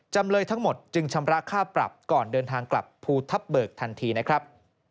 จำเลยทั้งหมดจึงชำระค่าปรับก่อนเดินทางกลับภูทับเบิกทันทีนะครับ